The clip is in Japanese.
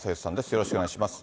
よろしくお願いします。